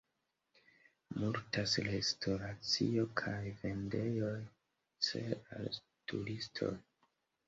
Multas restoracioj kaj vendejoj cele al turistoj.